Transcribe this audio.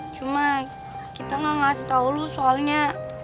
cuma kita mau ngasih tau lu soalnya